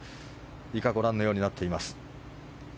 以下ご覧のようになっています。